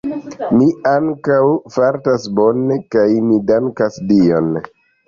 Mi ankaŭ fartas bone, kaj mi dankas Dion.